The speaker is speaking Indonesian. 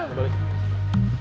balik balik ya